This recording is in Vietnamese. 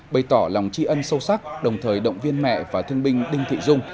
bày tỏ lòng tri ân sâu sắc đồng thời động viên mẹ và thương binh đinh thị dung